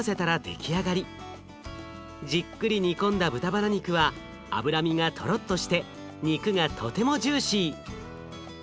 じっくり煮込んだ豚バラ肉は脂身がとろっとして肉がとてもジューシー。